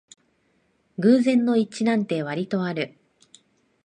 偶然の一致なんてわりとある